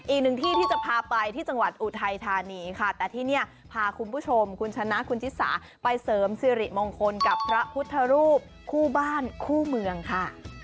อีกหนึ่งที่ที่จะพาไปที่จังหวัดอุทัยธานีค่ะแต่ที่เนี่ยพาคุณผู้ชมคุณชนะคุณชิสาไปเสริมสิริมงคลกับพระพุทธรูปคู่บ้านคู่เมืองค่ะ